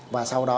và sau đó